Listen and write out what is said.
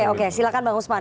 oke silakan bang usman